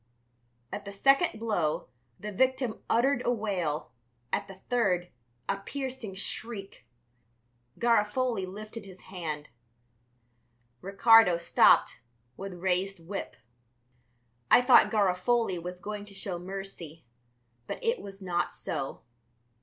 At the second blow the victim uttered a wail, at the third a piercing shriek. Garofoli lifted his hand; Ricardo stopped with raised whip. I thought Garofoli was going to show mercy, but it was not so.